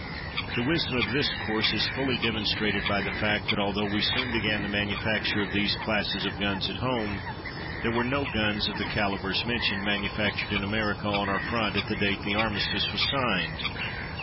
The wisdom of this course is fully demonstrated by the fact that, although we soon began the manufacture of these classes of guns at home, there were no guns of the calibres mentioned manufactured in America on our front at the date the armistice was signed.